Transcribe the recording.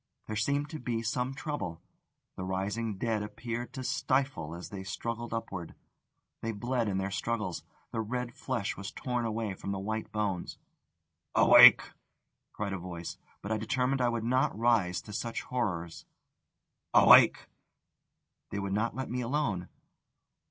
There seemed to be some trouble: the rising dead appeared to stifle as they struggled upward, they bled in their struggles, the red flesh was torn away from the white bones. "Awake!" cried a voice; but I determined I would not rise to such horrors. "Awake!" They would not let me alone.